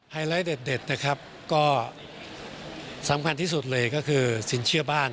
ไลท์เด็ดนะครับก็สำคัญที่สุดเลยก็คือสินเชื่อบ้าน